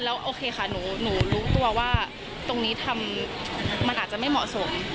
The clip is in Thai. โอเคค่ะหนูรู้ตัวว่าตรงนี้ทำมันอาจจะไม่เหมาะสม